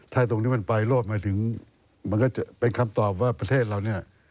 ถ้าตรงนี้มันไปโลดมาถึงมันก็จะเป็นคำตอบว่าประเทศเราเนี่ย